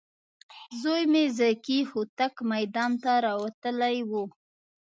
زوی مې ذکي هوتک میدان ته راوتلی و.